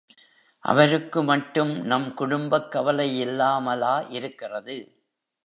அவருக்கு மட்டும் நம் குடும்பக்கவலை யில்லாமலா இருக்கிறது?